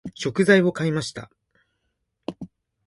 食材を買いました。